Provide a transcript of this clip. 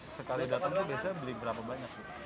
sekali datang itu biasanya beli berapa banyak